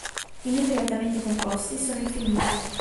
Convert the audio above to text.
I numeri altamente composti sono infiniti.